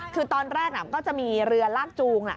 คือตอนแรกก็จะมีเรือลากจูง